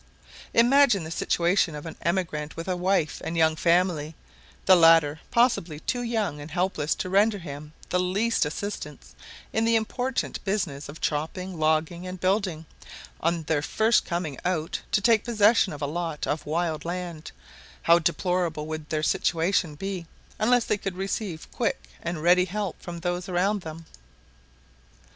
Imagine the situation of an emigrant with a wife and young family, the latter possibly too young and helpless to render him the least assistance in the important business of chopping, logging, and building, on their first coming out to take possession of a lot of wild land; how deplorable would their situation be, unless they could receive quick and ready help from those around them.